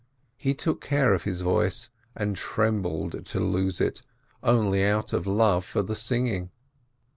He took care of his voice, and trembled to lose it, only out of love for the singing.